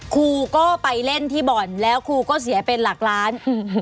ครูก็ไปเล่นที่บ่อนแล้วครูก็เสียเป็นหลักล้าน